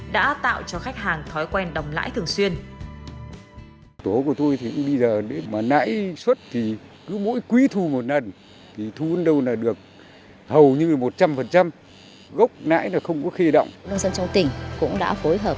đã tạo ra một bài bản đồng bộ hơn trước